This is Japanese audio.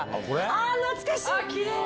懐かしい！